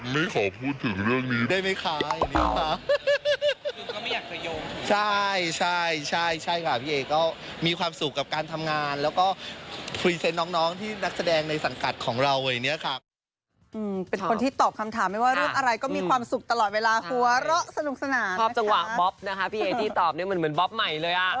ไม่ขอพูดถึงเรื่องนี้